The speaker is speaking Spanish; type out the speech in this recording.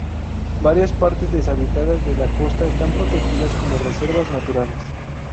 Varias partes deshabitadas de la costa están protegidas como reservas naturales.